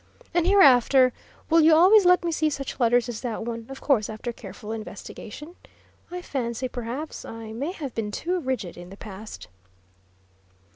And hereafter will you always let me see such letters as that one of course after careful investigation? I fancy perhaps I may have been too rigid in the past."